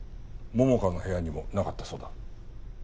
桃花の部屋にもなかったそうだ。